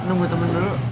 nunggu temen dulu